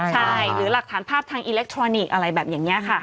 ใช่หรือหลักฐานภาพทางอิเล็กทรอนิกส์อะไรแบบนี้ค่ะ